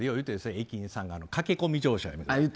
駅員さんが駆け込み乗車って。